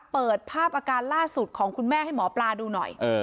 เปิดภาพอาการล่าสุดของคุณแม่ให้หมอปลาดูหน่อย